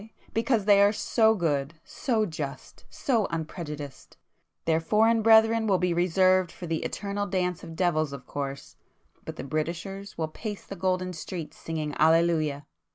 Because they are so good, so just, so unprejudiced! Their foreign brethren will be reserved for the eternal dance of devils of course—but the Britishers will pace the golden streets singing Alleluia!